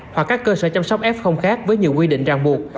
hoặc các cơ sở chăm sóc f khác với nhiều quy định ràng buộc